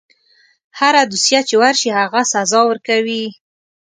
هره دوسیه چې ورشي هغه سزا ورکوي.